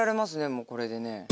もうこれでね。